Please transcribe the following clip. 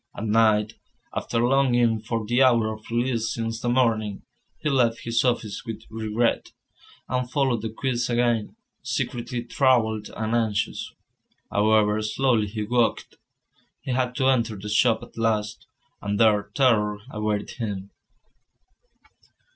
At night, after longing for the hour of release since the morning, he left his office with regret, and followed the quays again, secretly troubled and anxious. However slowly he walked, he had to enter the shop at last, and there terror awaited him.